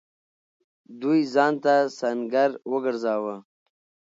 دوی ځان ته سنګر وگرځاوه.